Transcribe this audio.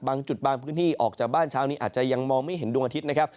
บางจุดบางพื้นที่ออกจากบ้านเช้านี้อาจจะยังมองไม่เห็นดวงอาทิตย์นะครับ